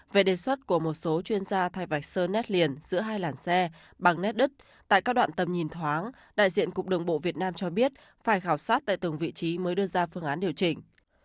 về đề xuất của một số chuyên gia thay vạch sơn nét liền giữa hai làn xe bằng nét đứt tại các đoạn tầm nhìn thoáng đại diện cục đường bộ việt nam cho biết phải khảo sát tại từng vị trí mới đưa ra phương án điều chỉnh